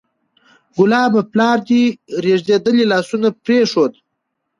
کلابه! پلار دې رېږدېدلي لاسونه پرېښود